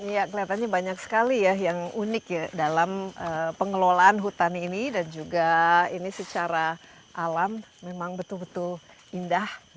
ya kelihatannya banyak sekali ya yang unik ya dalam pengelolaan hutan ini dan juga ini secara alam memang betul betul indah